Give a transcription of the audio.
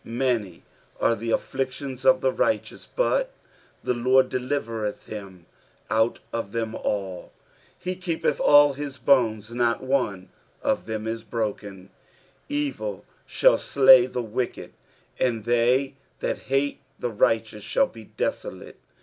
19 Many are the afflictions of the righteous : but the LORD delivereth him out of them all. 20 He keepeth all his bones : not one of them is broken. 21 Evil shall slay the wicked : and they that hate the righteous shall be desolate.